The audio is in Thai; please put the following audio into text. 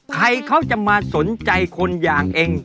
ใครเขาจะมาสนใจคนอย่างเอง